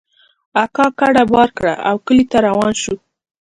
اکا کډه بار کړه او کلي ته روان سو.